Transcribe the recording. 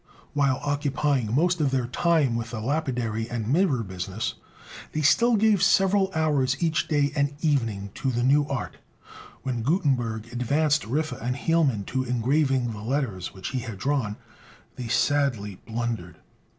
While occupying most of their time with the lapidary and mirror business, they still gave several hours each day and evening to the new art. When Gutenberg advanced Riffe and Hielman to engraving the letters which he had drawn, they sadly blundered.